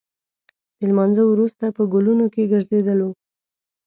د لمانځه وروسته په ګلونو کې ګرځېدلو.